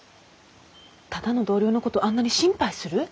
ただの同僚のことあんなに心配する？